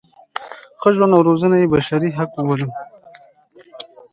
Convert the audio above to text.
ښه ژوند او روزنه یې بشري حق وبولو.